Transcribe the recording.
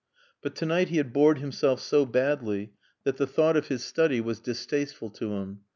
But to night he had bored himself so badly that the thought of his study was distasteful to him.